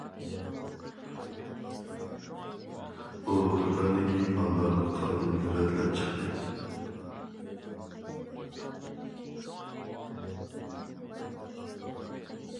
ئۇ دۇكاندىكى ماللارنى قايتىدىن رەتلەپ چىقتى.